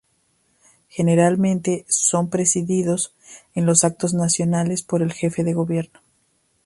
Generalmente son presididos, en los actos nacionales, por el jefe de gobierno.